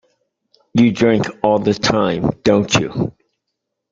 You drink all the time, don't you?